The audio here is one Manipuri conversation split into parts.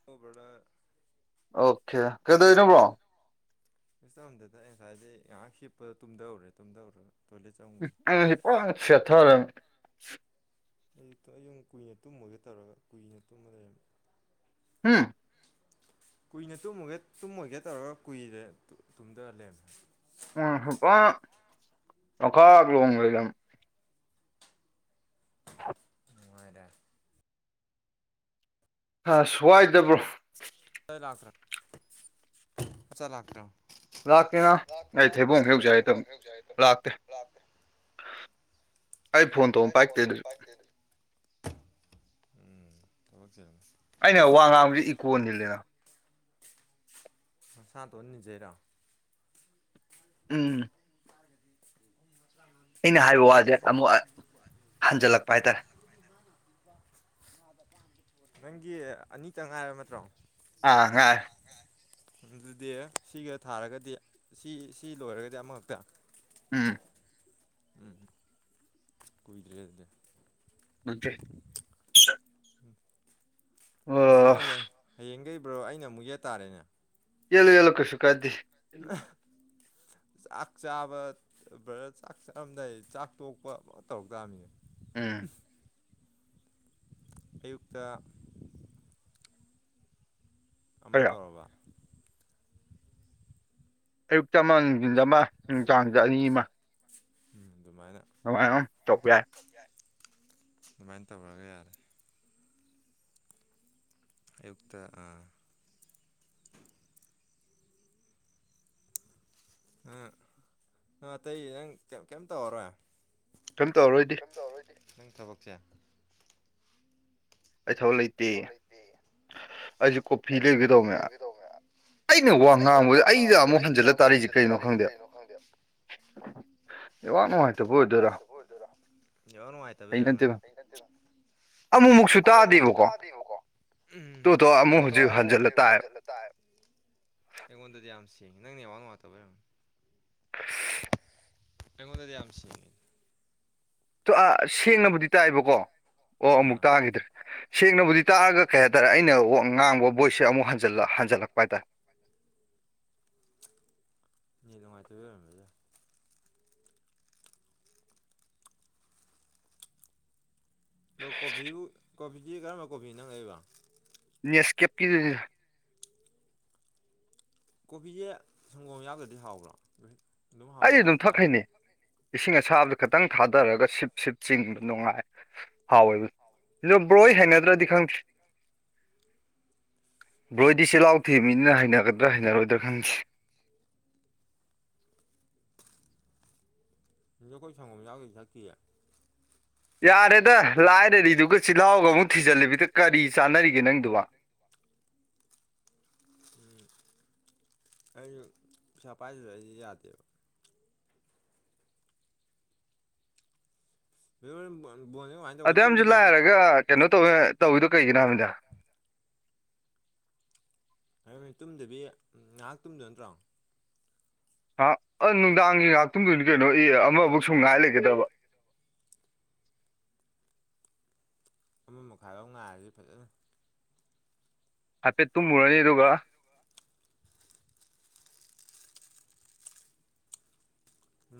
[unintelligible] Border okay ꯀꯩꯗꯣꯏꯅꯣ bro? ꯀꯩꯁꯨ ꯇꯧꯔꯝꯗꯦꯗꯥ ꯑꯩ ꯉꯁꯥꯏꯗꯩ ꯉꯥꯏꯍꯥꯛ ꯍꯤꯞꯄꯗ ꯇꯨꯝꯗꯧꯑꯣꯔꯦ ꯇꯨꯝꯗꯧꯑꯣꯔꯒ ꯇꯣꯏꯂꯦꯠ ꯆꯪꯉꯨꯕ [unintelligible] ꯑꯩ ꯉꯁꯤ ꯄꯨꯔꯥ ꯁꯦꯠꯊꯥꯔꯝ ꯑꯌꯨꯛꯇꯣ ꯑꯩ ꯌꯨꯝ ꯀꯨꯏꯅ ꯇꯨꯝꯃꯣꯏꯒꯦ ꯇꯧꯔꯒ ꯀꯨꯏꯅ ꯇꯨꯝꯃ ꯂꯩꯔꯝꯃꯦ ꯍꯨꯝ ꯀꯨꯏꯅ ꯇꯨꯝꯃꯨꯒꯦ ꯇꯨꯝꯃꯣꯏꯒꯦ ꯇꯧꯔꯒ ꯀꯨꯏꯔꯦ ꯇꯨ ꯇꯨꯝꯗ ꯂꯔꯝꯃꯦ ꯍꯥꯏꯕ [unintelligible] ꯂꯣꯡꯈꯥꯛ ꯂꯣꯡ ꯂꯩꯔꯝ [unintelligible] ꯅꯨꯡꯉꯥꯏꯔꯦ ꯍꯥꯁ ꯁ꯭ꯋꯥꯏꯗ ꯕ꯭ꯔꯣ ꯃꯩ ꯂꯥꯛꯇ꯭ꯔ [unintelligible] ꯃꯆꯥ ꯂꯥꯛꯇ꯭ꯔꯣ ꯂꯥꯛꯀꯦꯅ ꯑꯩ ꯂꯥꯛꯀꯦꯔ ꯊꯩꯕꯣꯡ ꯍꯦꯛꯎꯖꯦ ꯍꯥꯏ ꯂꯩꯇꯦꯕꯣ ꯇꯧꯅꯤ ꯑꯩ ꯍꯧꯖꯤꯛ ꯍꯥꯏꯗꯣ ꯂꯥꯛꯇꯦ ꯑꯩ ꯐꯣꯟ ꯇꯧꯑꯝ ꯄꯥꯏꯔꯛꯇꯦ ꯑꯗꯨꯁꯨ ꯎꯝ ꯊꯕꯛ ꯆꯤꯂꯝꯅꯤ ꯑꯩꯅ ꯋꯥ ꯉꯥꯡꯕꯖꯤ ꯏꯀꯣ ꯅꯤꯜꯂꯤꯔꯥ ꯅꯁꯥꯇꯣꯟ ꯅꯤꯖꯩꯔ ꯎꯝ ꯑꯩꯅ ꯍꯥꯏꯕ ꯋꯥꯖꯦ ꯑꯃꯨꯛ ꯍꯟꯖꯜꯂꯛꯄ ꯍꯥꯏꯇꯥꯔꯦ [unintelligible] ꯅꯪꯒꯤ ꯑꯅꯤꯇꯪ ꯉꯥꯏꯔꯕ ꯅꯠꯇ꯭ꯔꯣ ꯑꯥ ꯉꯥꯏꯔꯦ ꯑꯗꯨꯗꯤ ꯁꯤꯒ ꯊꯥꯔꯒꯗꯤ ꯁꯤ ꯁꯤ ꯂꯣꯏꯔꯒꯗꯤ ꯑꯃꯈꯛꯇ ꯎꯝ ꯎꯝ ꯀꯨꯏꯗꯔ꯭ꯦ ꯑꯗꯨꯗꯤ ꯅꯠꯇꯔ꯭ꯦ ꯑꯣ ꯕꯔꯣꯗꯥꯍꯦ ꯍꯌꯦꯡꯒꯩ ꯕ꯭ꯔꯣ ꯑꯩꯅ ꯑꯃꯨꯛ ꯌꯦꯠ ꯇꯥꯔꯦꯅꯦ ꯌꯦꯠꯂꯨ ꯌꯦꯠꯂꯨ ꯀꯩꯁꯨ ꯀꯥꯏꯗꯦ [unintelligible] ꯆꯥꯛ ꯆꯥꯕ ꯕꯔ꯭ ꯆꯥꯛ ꯆꯥꯔꯝꯗꯥꯏ ꯆꯥꯛ ꯇꯣꯛꯄ ꯑꯃ ꯇꯧ ꯇꯥꯃꯤꯅꯦ ꯎꯝ ꯑꯌꯨꯛꯇ ꯑꯃ ꯈꯔ ꯇꯧꯔꯕ ꯑꯌꯨꯛꯇ ꯑꯃ ꯅꯨꯡꯗꯤꯟꯗ ꯑꯃ ꯅꯨꯡꯗꯥꯡꯗ ꯑꯅꯤ ꯑꯃ ꯎꯝ ꯗꯨꯃꯥꯏꯅ [unintelligible] ꯇꯧꯄ ꯌꯥꯏ ꯑꯗꯨꯃꯥꯏꯅ ꯇꯧꯔꯒ ꯌꯥꯔꯦ ꯑꯌꯨꯛꯇ ꯑꯥ ꯑꯥ ꯅꯪ ꯑꯇꯩ ꯅꯪ ꯀꯩꯏꯝ ꯇꯧꯔꯔꯣꯏ ꯀꯩꯏꯝ ꯇꯧꯔꯣꯏꯗꯤ ꯇꯧꯔꯣꯏꯗꯤ ꯅꯪ ꯊꯕꯛꯁꯦ ꯑꯩ ꯊꯕꯛ ꯂꯩꯇꯦ ꯑꯩꯁꯨ ꯑꯩꯁꯨ ꯀꯣꯐꯤ ꯂꯩꯔꯨꯒꯦ ꯇꯧꯕꯥꯅꯦ ꯋꯥ ꯑꯩꯅ ꯋꯥ ꯉꯥꯡꯕꯗ ꯉꯥꯡꯕ ꯑꯩꯗ ꯖꯦ ꯑꯃꯨꯛ ꯑꯩꯅ ꯍꯟꯖꯤꯜꯂ ꯑꯃꯨꯛ ꯇꯥꯔꯛꯏꯁꯦ ꯍꯟꯖꯜꯂ ꯀꯩꯅꯣ ꯇꯥꯔꯛꯏꯁꯤ ꯀꯩꯅꯣ ꯈꯪꯗꯦ [unintelligible] ꯅꯨꯡꯉꯥꯏꯇꯕ ꯅꯦꯋꯥꯛ ꯑꯣꯏꯗꯣꯏꯔꯥ ꯅꯨꯉꯥꯏꯇꯕꯥ ꯑꯣꯏꯗꯣꯏꯔꯥ ꯅꯦꯋꯥꯛꯕꯩ ꯑꯣꯏꯔꯝꯒꯅꯤ ꯑꯩ ꯅꯥꯠꯇꯦꯕ ꯑꯃꯨꯃꯨꯛꯁꯨ ꯑꯃꯨꯛꯃꯨꯛꯁꯨ ꯇꯥꯗꯦꯕꯀꯣ ꯎꯝ ꯑꯗꯨꯗꯣ ꯑꯃꯨꯛ ꯍꯧꯖꯤꯛ ꯍꯟꯖꯤꯜꯂ ꯇꯥꯌꯦꯕ ꯑꯩꯉꯣꯟꯗꯗꯤ ꯌꯥꯝ ꯁꯦꯡꯉꯤ ꯅꯪ ꯅꯦꯠꯋꯥꯛ ꯅꯨꯡꯥꯏꯇꯕꯥꯔꯝꯅꯤ ꯑꯩꯉꯣꯟꯗꯗꯤ ꯌꯥꯝꯁꯦꯡꯑꯦ ꯇꯨ ꯑꯥ ꯁꯦꯡꯅꯕꯨꯗꯤ ꯇꯥꯏꯕꯀꯣ ꯑꯣ ꯑꯃꯨꯛ ꯑꯥ ꯇꯥꯈꯤꯗ꯭ꯔꯦ ꯁꯦꯡꯅꯕꯨꯗꯤ ꯇꯥꯛꯑꯒ ꯀꯩ ꯍꯥꯏꯇꯥꯔꯦ ꯑꯩꯅ ꯉꯥꯡꯕ ꯕꯣꯏꯁꯦ ꯑꯃꯨꯛ ꯍꯟꯜꯂ ꯍꯟꯖꯤꯜꯂꯛꯄꯇꯥꯥꯏꯦ ꯅꯦꯠ ꯅꯨꯡꯉꯥꯏꯇꯕꯩ ꯑꯣꯏꯔꯝꯃꯕꯁꯨꯌꯥꯏ ꯂꯣ ꯀꯣꯐꯤꯕꯨ ꯀꯣꯐꯤꯗꯤ ꯀꯔꯝꯕ ꯀꯣꯐꯤꯅꯣ ꯅꯪꯅ ꯂꯩꯔꯤꯕ ꯅꯦꯁꯀꯦꯞ ꯀꯤꯗꯨꯅꯤꯗ ꯀꯣꯐꯤꯁꯦ ꯁꯪꯒꯣꯝ ꯌꯥꯎꯗ꯭ꯔꯗꯤ ꯍꯥꯎꯕ꯭ꯔꯣ ꯍꯥꯎ ꯑꯩꯗꯤ ꯌꯥꯕ ꯑꯗꯨꯝ ꯆꯥ ꯌꯥ ꯊꯛꯍꯩꯅꯩ ꯏꯁꯤꯡ ꯑꯁꯥꯕꯗ ꯈꯤꯇꯪ ꯊꯥꯗꯔꯒ ꯁꯤꯞ ꯁꯤꯞ ꯆꯤꯡꯕ ꯅꯨꯡꯉꯥꯏ ꯍꯥꯎꯋꯦꯕ ꯗꯣ ꯕ꯭ꯔꯣꯍꯣꯏ ꯍꯩꯅꯗ꯭ꯔꯗꯤ ꯈꯪꯗ꯭ꯦ ꯕ꯭ꯔꯣꯍꯣꯏꯗꯤ ꯆꯤꯜꯍꯥꯎ ꯊꯤꯕ ꯃꯤꯅꯤꯅ ꯍꯩꯅꯒꯗ꯭ꯔꯥ ꯍꯩꯅꯔꯣꯏꯗ꯭ꯔꯥ ꯈꯪꯗꯦ ꯁꯤꯗ ꯑꯩꯈꯣꯏ ꯁꯪꯒꯣꯝ ꯌꯥꯎꯗ꯭ꯔꯥꯗꯤ ꯊꯛꯇꯤꯌꯦ ꯌꯥꯔꯦꯗ ꯂꯥꯏꯔꯔꯤꯗꯨꯒ ꯆꯤꯜꯍꯥꯎꯒ ꯑꯃꯨꯛ ꯊꯤꯖꯤꯜꯂꯤꯕꯤꯗ ꯀꯔꯤ ꯆꯥꯅꯔꯤꯒꯦ ꯅꯪꯗꯨꯕꯨ ꯎꯝ ꯑꯩꯖꯨ ꯄꯩꯁꯥ ꯄꯥꯏꯗꯕ ꯑꯩꯗꯤ ꯌꯥꯗꯦꯕ ꯑꯗꫭ ꯍꯨꯔꯦꯅ ꯕꯣ-ꯕꯣꯜ ꯀꯃꯥꯏ ꯑꯗꯨꯛꯌꯥꯝꯖꯨ ꯂꯥꯏꯔꯒ ꯀꯩꯅꯣ ꯇꯧꯋꯦ ꯇꯧꯋꯤꯗꯣ ꯀꯩꯒꯤꯅꯣ ꯍꯥꯏꯕꯅꯤꯗ ꯇꯨꯝꯗꯕꯤ ꯉꯥꯏꯍꯥꯛ ꯇꯨꯝꯗꯣ ꯅꯠꯇ꯭ꯔꯣ ꯍꯥ ꯑ ꯅꯨꯡꯗꯥꯡꯒꯤ ꯉꯥꯍꯥꯛꯇꯨꯏꯅꯤ ꯀꯩꯅꯣ ꯑꯦ ꯑꯃꯕꯨꯛ ꯁꯨꯝ ꯉꯥꯏ ꯂꯩꯒꯗꯔꯕ ꯑꯃꯥ ꯃꯈꯥꯏꯚꯥꯎ ꯉꯥꯏꯔꯗꯤ ꯐꯖꯅꯤ ꯍꯥꯏꯐꯦꯠ ꯇꯨꯝꯃꯨꯔꯅꯤ ꯑꯗꯨꯒ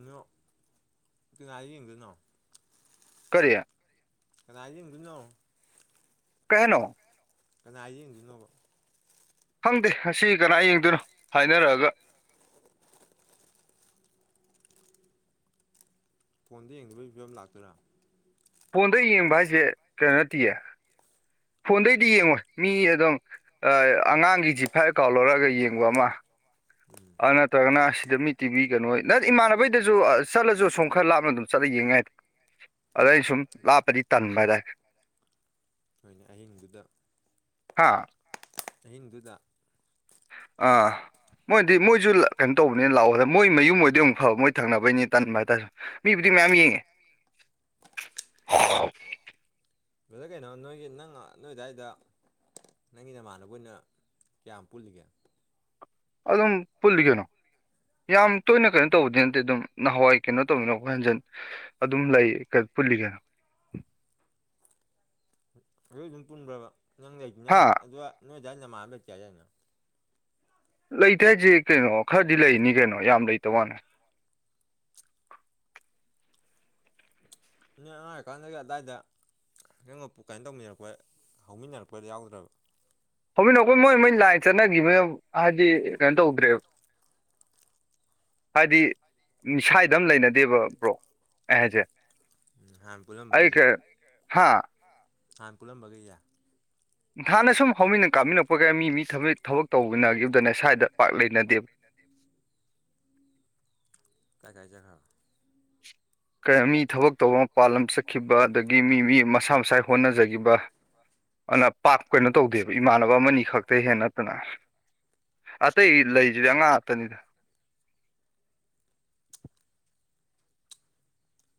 ꯅꯣ ꯀꯅꯥꯏꯗ ꯌꯦꯡꯗꯣꯏꯅꯣ ꯀꯔꯤ ꯀꯅꯥꯏꯗ ꯌꯦꯡꯗꯣꯏꯅꯣ ꯀꯩꯍꯥꯏꯅꯣ ꯀꯅꯥꯏ ꯌꯦꯡꯗꯣꯏ ꯅꯣꯕ ꯈꯪꯗꯦ ꯉꯁꯤ ꯀꯅꯥ ꯌꯦꯡꯗꯣꯏꯅꯣ ꯍꯥꯏꯅꯔꯒ ꯐꯣꯟꯗ ꯌꯦꯡꯗꯕꯒꯤ ꯐꯤꯕꯝ ꯂꯥꯛꯇꯣꯏꯔꯥ ꯐꯣꯟꯗꯩ ꯌꯦꯡꯕ ꯍꯥꯏꯖꯦ ꯀꯩꯅꯣ ꯅꯠꯇꯦꯌꯦ ꯐꯣꯟꯗꯩꯗꯤ ꯌꯦꯡꯉꯣꯏ ꯃꯤ ꯑꯗꯨꯝ ꯑ ꯑꯉꯥꯡꯒꯤ ꯖꯤꯐꯥꯏ ꯑꯀꯥꯎꯜ ꯂꯧꯔꯒ ꯌꯦꯡꯕ ꯑꯃ ꯎꯝ ꯑ ꯅꯠꯇ꯭ꯔꯒꯅ ꯁꯤꯗ ꯃꯤ ꯇꯤꯕꯤ ꯀꯅꯣꯏ ꯅꯠ ꯏꯃꯥꯟꯅꯕꯩꯗꯁꯨ ꯆꯠꯂꯁꯨ ꯁꯣꯝ ꯈꯔ ꯂꯥꯞꯅ ꯑꯗꯨꯝ ꯆꯠꯂ ꯌꯦꯡꯌꯥꯏꯗ ꯑꯗ ꯑꯩꯅ ꯁꯨꯝ ꯂꯥꯞꯄꯗꯤ ꯇꯟꯕ ꯍꯥꯏꯇꯥ ꯍꯣꯏꯅꯦ ꯑꯍꯤꯡꯗꯨꯗ ꯍꯥꯥ ꯑꯍꯤꯡꯗꯨꯗ ꯑꯥ ꯃꯣꯥꯏꯅꯗꯤ ꯃꯣꯏꯁꯨ ꯀꯩꯅꯣ ꯇꯧꯕꯅꯤꯅ ꯂꯥꯛꯑꯣꯗ ꯃꯣꯏ ꯃꯌꯨꯝ ꯑꯣꯏꯗꯤ ꯑꯃꯨꯛ ꯐꯕ ꯃꯣꯏ ꯊꯪꯅꯕꯩꯅꯤ ꯇꯟꯕ ꯍꯥꯏꯇꯥꯔꯦ ꯃꯤꯕꯨꯗꯤ ꯃꯌꯥꯝ ꯌꯦꯡꯉꯦ ꯕ꯭ꯔꯥꯗꫪ ꯀꯩꯅꯣ ꯅꯣꯏꯒꯤ ꯅꯪ ꯅꯣꯏ ꯑꯗꯥꯏꯗ ꯅꯪꯒꯤ ꯅꯃꯥꯟꯅꯕ ꯑꯣꯏꯅ ꯀꯌꯥꯝ ꯄꯨꯜꯂꯤꯒꯦ ꯑꯗꯨꯝ ꯄꯨꯜꯂꯤ ꯀꯩꯅꯣ ꯌꯥꯝ ꯇꯣꯏꯅ ꯀꯩꯅꯣ ꯇꯧꯕꯗꯤ ꯅꯠꯇꯦ ꯑꯗꯨꯝ ꯅꯍꯥꯟꯋꯥꯏ ꯀꯩꯅꯣ ꯇꯧꯅꯤꯡꯉꯛꯄ ꯍꯣꯏ ꯍꯟꯖꯤꯟ ꯑꯗꯨꯝ ꯂꯩ ꯀ-ꯄꯨꯜꯂꯤ ꯀꯩꯅꯣ ꯑꯗꯨꯏ ꯑꯗꯨꯝ ꯄꯨꯟꯕ꯭ꯔꯥꯕ ꯅꯪ ꯂꯩ ꯅꯪ ꯍꯥ ꯑꯗꯨ ꯅꯣꯏ ꯑꯗꯨꯗꯥꯋꯥꯏ ꯅꯃꯥꯟꯥꯟꯕ ꯂꯩꯇꯦ ꯍꯥꯗꯥꯏꯅꯦ ꯂꯩꯇꯦ ꯍꯥꯏꯖꯦ ꯀꯩꯅꯣ ꯈꯔꯗꯤ ꯂꯩꯅꯤ ꯀꯩꯅꯣ ꯌꯥꯝ ꯂꯩꯇꯕꯋꯥꯅꯦ ꯅꫭꯏ ꯑꯉꯥꯡ ꯑꯣꯏꯔꯀꯥꯟꯗꯒ ꯑꯗꯥꯏꯗ ꯍꯉꯣꯄꯨ ꯀꯩꯅꯣ ꯇꯧꯃꯤꯟꯅꯔꯛꯄ ꯍꯧꯃꯤꯟꯅꯔꯛꯄꯗ ꯌꯥꯎꯗ꯭ꯔꯕ ꯍꯧꯃꯤꯟꯅꯔꯛꯄ ꯃꯣꯏ ꯃꯣꯏ ꯂꯥꯏꯟ ꯆꯠꯅꯒꯤꯕ ꯍꯥꯏꯗꯤ ꯀꯩꯅꯣ ꯇꯧꯗ꯭ꯔꯦꯕ ꯍꯥꯏꯗꯤ ꯁꯥꯏꯗ ꯑꯃ ꯂꯩꯅꯗꯦꯕ ꯕ꯭ꯔꯣ ꯑꯩ ꯍꯥꯏꯖꯦ ꯎꯝ ꯍꯥꯟꯅ ꯄꯨꯜꯂꯝꯕꯒꯩꯖꯦ ꯍꯥ ꯍꯥꯟꯅ ꯄꯨꯂꯝꯕꯒꯩꯖꯦ ꯍꯥꯟꯅ ꯁꯨꯝ ꯍꯧꯃꯤꯟꯅ ꯀꯥꯃꯤꯟꯅꯛꯄꯒꯩ ꯃꯤ ꯃꯤ ꯊꯕꯛ ꯇꯧꯅꯒꯤꯕꯗꯅꯦ ꯁ꯭ꯋꯥꯏꯗ ꯄꯥꯛ ꯂꯩꯅꯗꯦꯕ ꯀꯥꯏ ꯀꯥꯢ ꯆꯠꯈ꯭ꯔꯕ ꯀꯩꯅꯣ ꯃꯤ ꯊꯕꯛ ꯇꯧꯕ ꯃꯄꯥꯥꯟꯜꯂꯝ ꯆꯠꯈꯤꯕ ꯑꯗꯒꯤ ꯃꯤ ꯃꯤ ꯃꯁꯥ ꯃꯁꯥꯏ ꯍꯣꯠꯅꯖꯒꯤꯕ ꯑꯟꯅ ꯄꯥꯛ ꯀꯩꯅꯣ ꯇꯧꯗꯦꯕ ꯏꯃꯥꯟꯅꯕ ꯑꯃꯅꯤ ꯈꯛꯇꯩ ꯍꯦꯟꯅ ꯅꯠꯇꯅ ꯑꯇꯩ ꯂꯩꯖꯤꯗꯤ ꯑꯉꯥꯡ ꯉꯥꯛꯇꯥꯅꯦ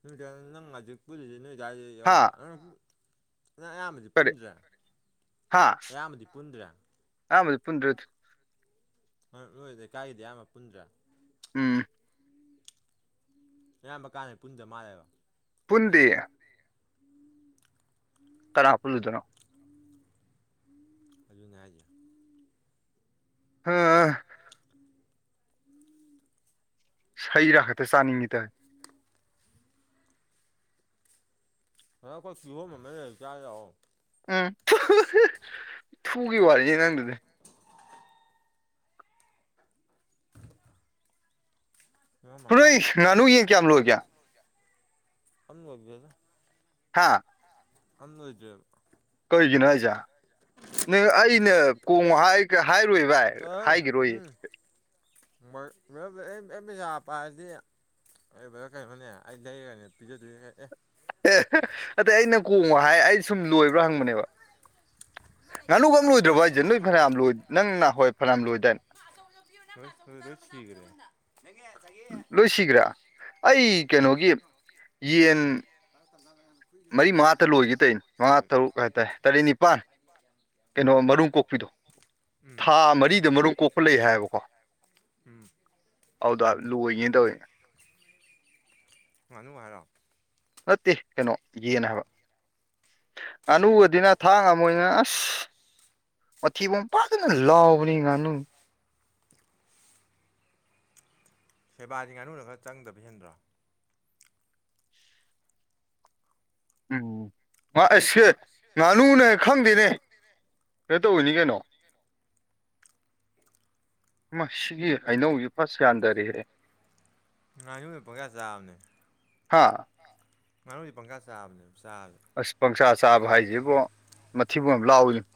ꯑꯗꯨꯑꯣꯏꯇꯥꯗꯤ ꯅꯪ ꯍꯧꯖꯤꯛ ꯄꯨꯜꯂꯤꯖꯦ ꯅꯣꯏꯑꯗꯥꯏꯗꯩꯩ ꯍꯥ ꯌꯥꯎꯗ꯭ꯔꯣ ꯅꯪ ꯑꯌꯥꯝꯕꯗꯤ ꯀꯔꯤ ꯄꯨꯟꯗ꯭ꯔꯦ ꯍꯥ ꯑꯌꯥꯝꯕꯗꯤ ꯄꯨꯟꯗ꯭ꯔꯦ ꯑꯌꯥꯝꯕꯗꯤ ꯄꯨꯟꯗ꯭ꯔ ꯅꯣꯏ ꯂꯩꯀꯥꯏꯒꯤꯗꯤ ꯑꯌꯥꯝꯕ ꯄꯨꯟꯗ꯭ꯔꯦ ꯎꯝ ꯑꯌꯥꯝꯕ ꯀꯥꯟꯗ ꯄꯨꯟꯗ ꯃꯥꯜꯂꯦꯕ ꯄꯨꯟꯗꯦ ꯀꯅꯥ ꯄꯨꯜꯂꯨꯗꯅꯣ [unintelligible] ꯑꯗꯨꯅꯦ ꯍꯥꯏꯖꯦ ꯍꯥꯥ ꯑꯥ [inaudible] ꯍꯩꯔꯥ ꯈꯛꯇ ꯆꯥꯅꯤꯡꯉꯤꯗ ꯕ꯭ꯔꯗꯔ ꯑꯩꯈꯣꯏ ꯀꯤꯍꯣꯝ ꯌꯣꯟꯕ ꯂꯩ ꯆꯥꯖꯤ ꯂꯥꯛꯑꯣ ꯎꯝ [unintelligible] ꯋꯥꯔꯤꯅꯤ ꯅꯪꯗꯨꯗꯤ ꯀꯤꯍꯣꯝ ꯑꯃ ꯍꯣꯔꯣꯏ ꯉꯥꯅꯨ ꯌꯦꯟ ꯀꯌꯥꯝ ꯂꯣꯏꯒꯦ ꯑꯝ ꯂꯣꯏꯗꯦꯗꯥ ꯍꯥꯥ ꯑꯝ ꯂꯣꯏꯗꯦꯕ ꯀꯩꯒꯤꯅꯣ ꯍꯥꯏꯖꯦ ꯅꯪ ꯑꯩꯅ ꯀꯣꯡꯉꯣ ꯍꯥꯏ ꯀꯥ ꯍꯥꯏꯔꯣꯏ ꯚꯥꯏ ꯍꯥꯏꯒꯤꯔꯣꯏꯌꯦ ꯃꯩ ꯃꯌꯥꯝ ꯂꯩ ꯑꯩ ꯑꯩꯅ ꯄꯩꯁꯥ ꯄꯥꯏꯔꯗꯤ ꯑꯩ ꯕ꯭ꯔꯗꯔ ꯀꯩꯅꯣꯅꯦ ꯑꯩ ꯂꯩꯔꯒꯅꯦ ꯄꯤꯖꯗꯣꯏꯖꯦ ꯑꯦ [unintelligible] ꯅꯠꯇꯦ ꯑꯩꯅ ꯀꯣꯡꯉꯣ ꯍꯥꯏ ꯑꯩ ꯁꯨꯝ ꯂꯣꯏꯕ꯭ꯔꯥ ꯍꯪꯕꯅꯦꯕ ꯉꯥꯅꯨ ꯑꯝ ꯂꯣꯏꯗ꯭ꯔꯕꯣ ꯑꯗꯨ ꯍꯥꯏꯖꯦ ꯅꯣꯏ ꯐꯅꯌꯥꯝ ꯂꯣꯏ ꯅꯪ ꯅꯍꯥꯋꯥꯏ ꯐꯅꯌꯥꯝ ꯂꯣꯏꯗꯥꯏ [unintelligible] ꯂꯣꯏ ꯁꯤꯒꯔꯦ [unintelligible] ꯂꯣꯏ ꯁꯤꯒ꯭ꯔꯦ ꯑꯩ ꯀꯩꯅꯣꯒꯤ ꯌꯦꯟ ꯃꯔꯤ ꯃꯉꯥꯇ ꯂꯣꯏꯒꯦ ꯇꯧꯅꯤ ꯃꯉꯥ ꯇꯔꯨꯛ ꯍꯥꯏꯇꯥꯔꯦ ꯇꯔꯦꯠ ꯅꯤꯄꯥꯟ [unintelligible] ꯀꯩꯅꯣ ꯃꯔꯨꯝ ꯀꯣꯛꯄꯤꯗꯣ ꯎꯝ ꯊꯥ ꯃꯔꯤꯗ ꯃꯔꯨꯝ ꯀꯣꯛꯄ ꯂꯩ ꯍꯥ ꯍꯥꯏꯕꯀꯣ ꯎꯝ ꯑꯗꯨꯗꯣ ꯂꯣꯏꯒꯦꯅ ꯇꯧꯋꯤꯅꯦ ꯉꯥꯅꯨ ꯍꯥꯏꯔꯣ ꯅꯠꯇꯦ ꯀꯩꯅꯣ ꯌꯦꯟ ꯍꯥꯏꯕ ꯉꯥꯅꯨꯒꯗꯤ ꯅꯥ ꯊꯥꯛ ꯉꯝꯃꯣꯏ ꯅꯥ ꯑꯁ ꯃꯊꯤꯕꯣꯡ ꯐꯖꯅ ꯂꯥꯎꯕꯅꯤ ꯉꯥꯅꯨ ꯁꯦꯕꯥꯗꯤ ꯉꯥꯅꯨꯅ ꯈꯔ ꯆꯪꯗꯕ ꯍꯦꯟꯗ꯭ꯔꯣ ꯎꯝ ꯉ ꯑꯩꯁ ꯁꯦ ꯉꯥꯅꯨꯅ ꯈꯪꯗꯦꯅꯦ ꯀꯩꯅꯣ ꯇꯧꯕꯅꯤ ꯀꯩꯅꯣ ꯃꯁꯤꯒꯤ ꯍꯩꯅꯧꯖꯤ ꯐꯁ ꯌꯥꯟꯗꯔꯦꯍꯦ ꯄꯪꯆꯥ ꯆꯥꯕꯅꯦ ꯍꯥ ꯉꯥꯅꯨꯗꯤ ꯄꯪꯆꯥ ꯆꯥꯕꯅꯦ ꯆꯥꯕꯖꯦ ꯑꯁ ꯄꯪꯆꯥ ꯆꯥꯕ ꯍꯥꯏꯖꯦ ꯏꯕꯣ ꯃꯊꯤꯕꯣꯡ ꯌꯥꯝ ꯂꯥꯎꯋꯤꯅꯦ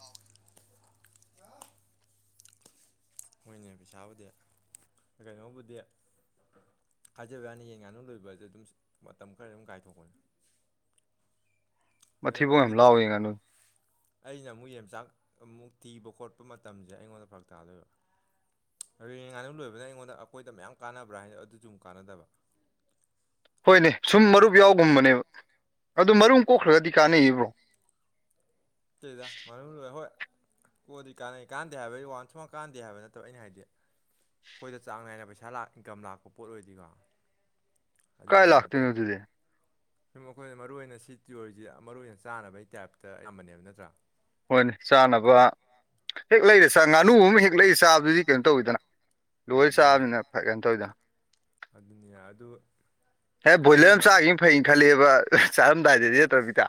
[unintelligible] ꯍꯣꯏꯅꯦ ꯄꯩꯁꯥꯕꯨꯗꯤ ꯀꯩꯅꯣꯕꯨꯗꯤ ꯍꯥꯏꯖꯕꯩ ꯋꯥꯅꯤ ꯌꯦꯟ ꯉꯥꯅꯨ ꯂꯣꯏꯕꯖꯦ ꯑꯗꯨꯝ ꯃꯇꯝ ꯈꯔ ꯑꯗꯨꯝ ꯀꯥꯏꯊꯣꯛꯄꯅꯤ ꯑꯗ ꯃꯊꯤꯕꯣꯡ ꯌꯥꯝ ꯑꯩꯒꯤꯗꯤ ꯂꯥꯎꯏ ꯉꯥꯅꯨ ꯑꯩꯅ ꯑꯃꯨꯛ ꯌꯦꯟꯃꯆꯥꯛ ꯑꯃꯨꯛ ꯊꯤꯕ ꯈꯣꯠꯄ ꯃꯇꯝꯖꯦ ꯑꯩꯉꯣꯟꯗ ꯐꯔꯛ ꯇꯥꯗꯣꯏꯕ ꯌꯦꯟ ꯉꯥꯅꯨ ꯂꯣꯏꯕꯅ ꯑꯩꯉꯣꯟꯗ ꯑꯈꯣꯏꯗ ꯃꯌꯥꯝ ꯀꯥꯟꯅꯕ꯭ꯔꯥ ꯍꯥꯏꯖꯨ ꯑꯗꯨꯖꯨ ꯑꯃꯨꯛ ꯀꯥꯟꯅꯗꯕ ꯍꯣꯏꯅꯦ ꯁꯨꯝ ꯃꯔꯨꯞ ꯌꯥꯎꯒꯨꯝꯕꯅꯦꯕ ꯑꯗꯨ ꯃꯔꯨꯝ ꯀꯣꯛꯈ꯭ꯔꯒꯗꯤ ꯀꯥꯟꯅꯩꯌꯦ ꯕ꯭ꯔꯣ ꯇꯦꯗ ꯉꯥꯅꯨ ꯂꯣꯏ ꯍꯣꯏ ꯀꯣꯛꯑꯗꯤ ꯀꯥꯟꯅꯩ ꯀꯥꯟꯅꯗꯦ ꯍꯥꯏꯕꯩ ꯋꯥꯟ ꯁꯨ ꯀꯥꯟ ꯀꯥꯟꯅꯗꯦ ꯍꯥꯏꯕ ꯅꯠꯇꯕ ꯑꯩꯅ ꯍꯥꯏꯗꯤ ꯑꯩꯈꯣꯏꯗ ꯆꯥꯡ ꯅꯥꯏꯅ ꯄꯩꯁꯥ ꯂꯥꯛ ꯏꯟꯀꯝ ꯂꯥꯛꯄ ꯄꯣꯠ ꯑꯣꯏꯗꯤꯀꯣ ꯀꯥꯏ ꯑꯗꯨꯗꯨꯃꯛ ꯂꯥꯛꯇꯣꯏꯅꯣ ꯅꯠꯇꯝꯅꯤ ꯑꯗꯨꯗꯤ ꯁꯨꯝ ꯑꯩꯈꯣꯏꯅ ꯃꯔꯨꯑꯣꯏ ꯑꯣꯏꯅ ꯁꯤ ꯇꯤꯑꯣꯔꯁꯤ ꯌꯥꯝ ꯃꯔꯨ ꯑꯣꯏꯅ ꯆꯥꯅꯕꯒꯤ ꯇꯥꯏꯞꯇ ꯑꯌꯥꯝꯕꯅꯦꯕ ꯅꯠꯇ꯭ꯔꯥ ꯍꯣꯏꯅꯦ ꯆꯥꯅꯕ ꯍꯦꯛ ꯂꯩꯔ ꯆꯥ ꯉꯥꯅꯨ ꯑꯃ ꯍꯦꯛ ꯂꯩꯔ ꯆꯥꯕꯗꯨꯗꯤ ꯀꯩꯅꯣ ꯇꯧꯋꯤꯗꯅ ꯎꯝ ꯂꯣꯏꯔ ꯆꯥꯕꯅꯤꯅ ꯐꯩ ꯀꯩꯅ ꯇꯧꯋꯤꯗꯅ ꯑꯗꯨꯅꯤꯅ ꯑꯗꯨ ꯍꯦꯛ ꯑꯗꯨꯒꯤ ꯕꯣꯏꯂꯔ ꯑꯃ ꯆꯥꯒꯤꯕꯅ ꯐꯩꯅ ꯈꯜꯂꯦꯕ ꯆꯥꯔꯝꯗꯥꯏꯗꯗꯤ ꯅꯠꯇ꯭ꯔ ꯕꯤꯇꯥ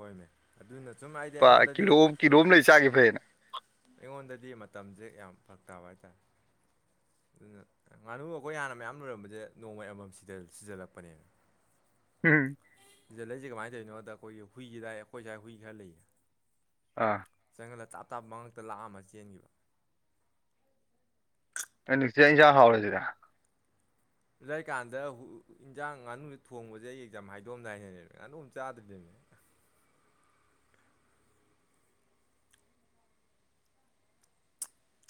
ꯍꯣꯏꯅꯦ ꯑꯗꯨꯅ ꯁꯨꯝ ꯑꯩꯗꯤ ꯑꯩꯉꯣꯟꯗꯗꯤ ꯀꯤꯂꯣ ꯀꯤꯂꯣ ꯑꯝ ꯂꯩ ꯆꯥꯒꯤꯝ ꯐꯩꯌꯦꯅ ꯑꯩꯉꯣꯟꯗꯗꯤ ꯃꯇꯝꯖꯦ ꯌꯥꯝ ꯐꯔꯛ ꯇꯥꯕ ꯍꯥꯏꯇꯥꯔꯦ ꯑꯗꯨꯅ ꯉꯥꯅꯨ ꯑꯈꯣꯏ ꯍꯥꯟꯅ ꯃꯌꯥꯝ ꯂꯣꯏꯔꯝꯕꯖꯦ ꯅꯣꯡꯃꯩ ꯑꯃꯃꯝ ꯁꯤꯗꯜ ꯁꯤꯖꯜꯂꯛꯄꯅꯦꯃꯤ ꯎꯝ ꯁꯤꯖꯜꯂꯛꯏꯖꯦ ꯀꯃꯥꯏꯅ ꯇꯧꯔꯤꯅꯣꯗ ꯑꯈꯣꯏꯒꯤ ꯍꯨꯏꯖꯤ ꯑꯗꯥꯏ ꯑꯩꯈꯣꯏ ꯁ꯭ꯋꯥꯏ ꯍꯨꯏ ꯈꯔ ꯂꯩꯌꯦ ꯑꯥ ꯆꯪꯖꯜꯂ ꯇꯥꯞ ꯇꯥꯞ ꯃꯉꯛꯇ ꯂꯥꯛꯑꯝꯃ ꯆꯦꯟꯒꯤꯕ ꯑꯩ ꯅꯨꯡꯁꯤꯠꯥꯛ ꯏꯟꯁꯥꯡ ꯍꯥꯎꯔꯁꯤꯗ ꯑꯗꯨ ꯂꯩꯀꯥꯟꯗ ꯏꯟꯖꯥꯡ ꯉꯥꯅꯨ ꯊꯣꯡꯕꯁꯦ ꯑꯩ ꯑꯦꯛꯖꯝ ꯍꯥꯏꯗꯣꯝꯗꯥꯏꯅꯅꯦꯕ ꯉꯥꯅꯣꯝ ꯆꯥꯗ꯭ꯅꯦꯅꯦ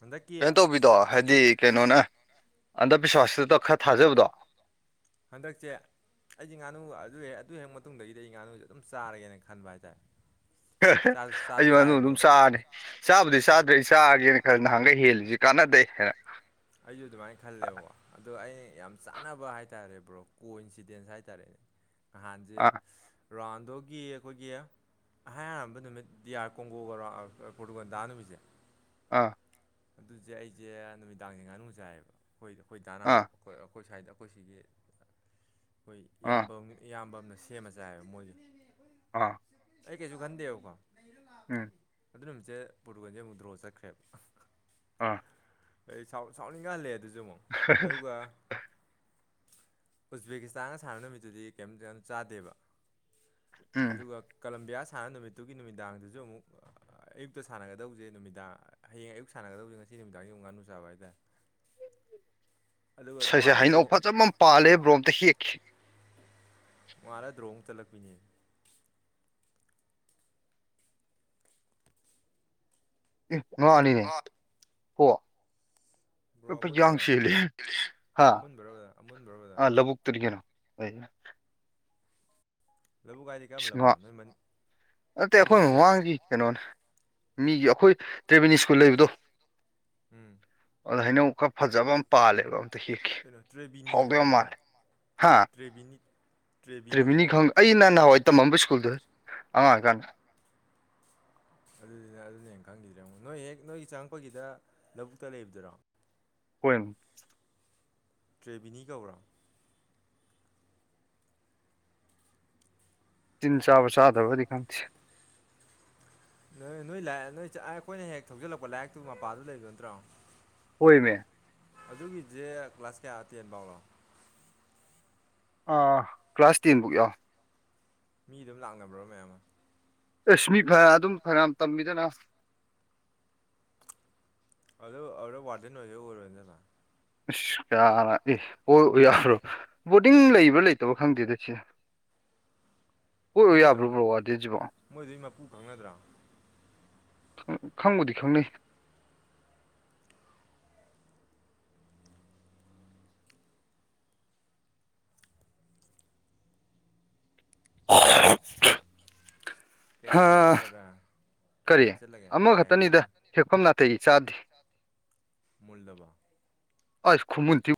ꯍꯟꯗꯛꯀꯤ ꯀꯩꯅꯣ ꯇꯧꯕꯤꯗꯣ ꯍꯥꯏꯗꯤ ꯀꯩꯅꯣꯅꯦ ꯑꯟꯗꯕꯤꯁ꯭ꯋꯥꯁꯇꯨꯗ ꯈꯔ ꯊꯥꯖꯕꯗꯣ ꯍꯟꯗꯛꯁꯦ ꯑꯩꯗꯤ ꯉꯥꯅꯨ ꯑꯗꯨ ꯍꯦꯛ ꯑꯗꯨ ꯍꯦꯛ ꯃꯇꯨꯡꯗꯒꯤꯗꯤ ꯑꯩ ꯉꯥꯅꯨꯁꯦ ꯑꯗꯨꯝ ꯆꯥꯔꯒꯦꯅ ꯈꯟꯕ ꯍꯥꯏꯇꯥꯔꯦ ꯆꯥꯁꯨ ꯑꯩ ꯆꯥꯁꯨ ꯃꯅꯨꯡ ꯑꯗꯨꯝ ꯆꯥꯏꯌꯦꯕꯀꯣ ꯆꯥꯔꯅꯤ ꯆꯥꯕꯨꯗꯤ ꯑꯗꯨ ꯆꯥꯗ꯭ꯔꯦ ꯆꯥꯒꯦꯅ ꯈꯔ ꯅꯍꯥꯟꯒ ꯍꯦꯜꯂꯤꯁꯤ ꯀꯥꯟꯅꯗꯩ ꯍꯥꯏꯅ ꯑꯩꯁꯨ ꯑꯗꯨꯃꯥꯏꯅ ꯈꯜꯂꯦꯕꯀꯣ ꯑꯗꯣ ꯑꯩꯩꯅ ꯌꯥꯝ ꯆꯥꯅꯕ ꯍꯥꯏꯔꯦ ꯍꯥꯏꯇꯥꯔꯦ ꯭ꯔꯣ ꯀꯣ ꯏꯟꯁꯤꯗꯦꯟꯁ ꯍꯥꯏꯇꯥꯔꯦꯅꯦ ꯅꯍꯥꯟꯁꯦ ꯑꯥ ꯔꯥꯟꯗꯨꯣꯒꯤ ꯑꯩꯈꯣꯏꯒꯤ ꯍ ꯑꯥꯟꯕ ꯅꯨꯃꯤꯠ ꯗꯤꯌꯥꯔ ꯀꯣꯡꯒꯣꯒꯧꯔꯣ ꯄꯣꯔꯇꯨꯒꯜꯗꯥ ꯅꯨꯃꯤꯠꯁꯦ ꯑꯥ ꯑꯗꯨꯁꯦ ꯑꯩꯁꯦ ꯅꯨꯃꯤꯗꯥꯡꯁꯦ ꯉꯥꯅꯨ ꯆꯥꯏꯌꯦꯕ ꯑꯩꯈꯣꯏꯗ ꯑꯩꯈꯣꯏ ꯗꯥꯅꯥ ꯑꯥ ꯍꯥꯎꯕ ꯑꯩꯈꯣꯏ ꯁ꯭ꯥꯏꯗ ꯑꯩꯈꯣꯏ ꯁꯤꯒꯤ ꯑꯩꯈꯣꯏ ꯑꯥ ꯏꯌꯥꯝꯕ ꯏꯌꯥꯝꯕ ꯑꯃꯅ ꯁꯦꯝꯃ ꯆꯥꯏꯕ ꯃꯣꯏꯁꯦ ꯑꯥ ꯑꯩ ꯀꯩꯁꯨꯒꯟꯗꯦ ꯑꯣ ꯀ ꯎꯝ ꯑꯗꯨ ꯅꯨꯃꯤꯠꯁꯦ ꯄꯣꯔꯇꯨꯒꯜꯁꯦ ꯑꯃꯨꯛ ꯗ꯭ꯔꯣ ꯆꯠꯈ꯭ꯔꯦꯕ ꯑꯥ ꯑꯩ ꯁꯥꯎꯟ ꯏꯟꯈꯍꯜꯂꯦ ꯑꯗꯨꯁꯨ ꯑꯃꯨꯛ ꯑꯗꯨꯒ ꯎꯖꯕꯦꯀꯤꯁꯇꯥꯟꯒ ꯁꯥꯟꯅꯕ ꯅꯨꯃꯤꯠꯇꯨꯗꯤ ꯀꯩꯝꯇ ꯌꯥꯝ ꯆꯥꯗꯦꯕ ꯎꯝ ꯑꯗꯨꯒ ꯀꯂꯝꯕꯤꯌꯥ ꯁꯥꯟꯅ ꯅꯨꯃꯤꯠꯇꯨꯒꯤ ꯅꯨꯃꯤꯗꯥꯡꯗꯁꯨ ꯑꯃꯨꯛ ꯑꯌꯨꯛꯇ ꯁꯥꯟꯅꯒꯗꯧꯁꯦ ꯅꯨꯃꯤꯗꯥꯡ ꯍꯌꯦꯡ ꯑꯌꯨꯛ ꯁꯥꯟꯅꯗꯧꯅꯤ ꯉꯁꯤ ꯅꯨꯃꯤꯗꯥꯡꯒꯤꯃꯨ ꯉꯅꯨ ꯆꯥꯕ ꯍꯥꯏꯗꯅ ꯁꯁꯦ ꯅꯣꯡꯉꯥꯜꯂ ꯍꯩꯅꯧ ꯗ꯭ꯔꯣ ꯐꯖ ꯑꯃ ꯄꯥꯜꯂꯦ ꯕ꯭ꯔꯣꯝꯇ ꯍꯦꯛꯈꯤ ꯃꯥꯔ ꯗꯔꯣꯡꯣꯡ ꯆꯂꯛ ꯄꯤꯅꯦ ꯉꯉꯑꯅꯤꯅꯦ ꯍꯣ ꯕ꯭ꯔꯣ ꯀ ꯄ ꯑꯃꯨꯟꯕꯔꯣ ꯌꯥꯥꯡꯁꯤ ꯂꯩ ꯍꯥ ꯑꯃꯨꯟꯕꯔꯣ ꯕꯗꯔ ꯑꯃꯨꯟꯕꯔꯣ ꯑ ꯕꯗꯔ ꯂꯧꯕꯨꯛ ꯇꯔꯒꯦꯅꯣ ꯍꯣꯏ ꯂꯧꯕꯨꯛ ꯀꯥꯏꯗꯤ ꯀꯌꯥꯝ ꯏꯁ ꯉꯥ ꯂꯧꯅꯣ ꯅꯣꯏ ꯃꯅꯤꯡꯈꯤꯗꯔ ꯀꯩꯅꯣꯅꯤ ꯃꯤꯒꯤ ꯑꯩꯈꯣꯏ ꯇ꯭ꯔꯦꯕꯤꯅꯤ ꯁ꯭ꯀꯨꯜ ꯂꯩꯕꯗꯣ ꯎꯝ ꯑꯗꯣ ꯍꯩꯅꯧ ꯈꯔ ꯐꯖꯕ ꯑꯃ ꯄꯥꯜꯂꯦꯕ ꯑꯝꯇ ꯍꯦꯛꯀꯦ ꯀꯩꯅꯣ ꯇ꯭ꯔꯦꯕꯤꯅꯤ ꯍꯥꯎꯗꯣꯏꯕ ꯍꯥꯏꯔꯣ ꯕꯗꯔ ꯃꯥꯜꯂꯦ ꯍꯥ ꯇ꯭ꯔꯦꯕꯤꯅꯤ ꯇ꯭ꯔꯦꯕꯤꯅꯤ ꯈꯪ ꯑꯩꯅ ꯅꯍꯥꯟꯋꯥꯏ ꯇꯝꯃꯝꯕ ꯁ꯭ꯀꯨꯜꯗꯨ ꯑꯉꯥꯡ ꯑꯣꯏꯀꯥꯟꯗ ꯑꯗꯨꯗꯨꯅ ꯑꯗꯨꯅ ꯍꯦꯟ ꯈꯪꯈꯤꯗ꯭ꯔꯦ ꯉꯣ ꯅꯣꯏ ꯍꯦꯛ ꯅꯣꯏꯒꯤ ꯆꯪꯉꯛꯄꯒꯤꯗ ꯂꯧꯕꯨꯛꯇ ꯂꯩꯕꯗꯨꯔꯣ ꯍꯨꯟ [unintelligible] ꯇ꯭ꯔꯦꯕꯤꯅꯤ ꯀꯧꯕ꯭ꯔꯣ ꯇꯤꯟ ꯆꯥꯕ ꯆꯗꯕꯗꯤ ꯈꯪꯗꯦꯁꯤ ꯅꯣꯏ ꯅꯣꯏ ꯂ ꯅꯣꯏ ꯑꯩꯈꯣꯏꯅ ꯍꯦꯛ ꯊꯧꯖꯤꯜꯂꯛꯄ ꯂꯥꯏꯔꯤꯛꯇꯨ ꯃꯄꯥꯗꯨ ꯂꯩꯕ ꯅꯠꯇ꯭ꯔꯣ ꯑꯣꯏꯃꯦ ꯑꯗꯨꯒꯤꯁꯦ ꯀ꯭ꯂꯥꯁ ꯀꯌꯥ ꯇꯦꯟ ꯐꯥꯎꯅꯣ ꯑꯥ ꯀ꯭ꯂꯥꯁ ꯇꯦꯟꯕꯨꯛ ꯌꯧ ꯃꯤ ꯑꯗꯨꯝ ꯂꯥꯛꯅꯕ꯭ꯔꯣ ꯃꯌꯥꯝ ꯑꯃ ꯑꯦꯁꯃꯤ ꯐꯅꯌꯥꯝ ꯑꯗꯨꯝ ꯐꯅꯌꯥꯝ ꯇꯝꯃꯤꯗꯅ ꯑꯗ ꯑꯗ ꯋꯥꯔꯗꯦꯟ ꯑꯣꯏꯒꯦ ꯑꯣꯏꯔꯣꯗꯅ ꯑꯁ ꯀꯌꯥ ꯑꯦ ꯑꯣ ꯑꯣꯏꯌꯥꯔꯣꯏ ꯕꯣꯔꯗꯤꯡ ꯂꯩꯕ꯭ꯔꯥ ꯂꯩꯇꯕ꯭ꯔꯥ ꯈꯪꯗꯦꯗ ꯁꯤ ꯄꯑꯣꯏ ꯑꯣꯏ ꯈꯪꯅꯗ꯭ꯔꯣ ꯌꯥꯕ꯭ꯔꯣ ꯕ꯭ꯔꯣ ꯋꯥꯔꯗꯦꯟꯖꯤꯕꯣ ꯃꯣꯏꯗꯨꯒꯤ ꯃꯄꯨ ꯈꯪꯅꯗ꯭ꯔꯣ ꯈꯪꯕꯨꯗꯤ ꯈꯪꯅꯩ ꯑꯣ [unintelligible] ꯀꯌꯥ ꯍꯦꯛꯑꯒꯦ ꯕ꯭ꯥꯔꯗꯔ ꯀꯌꯥ ꯀꯔꯤ ꯍꯦꯛ ꯆꯜꯂꯒꯦ ꯀꯌꯥ ꯍꯦꯛ ꯑꯃꯈꯛꯇꯅꯤꯗ ꯆꯜꯂꯦ ꯍꯦꯛꯐꯝ ꯅꯥꯇꯩ ꯆꯥꯗꯦ ꯃꯨꯜꯂꯕꯣ ꯑꯁ ꯈꯨꯃꯨꯟꯊꯤ